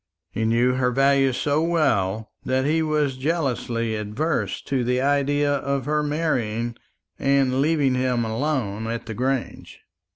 He knew her value so well that he was jealously averse to the idea of her marrying and leaving him alone at the Grange.